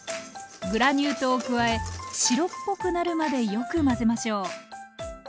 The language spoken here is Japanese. グラニュー糖を加え白っぽくなるまでよく混ぜましょう。